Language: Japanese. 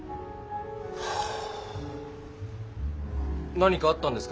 何かあったんですか？